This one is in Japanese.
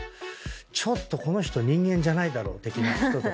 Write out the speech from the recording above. ちょっとこの人人間じゃないだろ的な人とか。